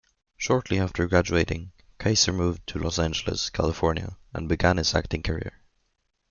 Shortly after graduating, Kayser moved to Los Angeles, California and began his acting career.